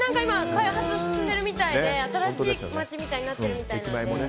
開発が進んでるみたいで新しい街になってるみたいなので。